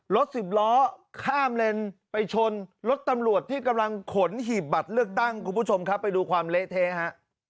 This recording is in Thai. รถสิบล้อข้ามเลนไปชนรถตำรวจที่กำลังขนหีบบัตรเลือกตั้งคุณผู้ชมครับไปดูความเละเทะฮะ